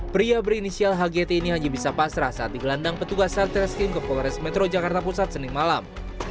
pria berinisial hgt ini hanya bisa pasrah saat digelandang petugas satreskrim ke polres metro jakarta pusat senin malam